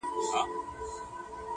که هر څو یې کړېدی پلار له دردونو٫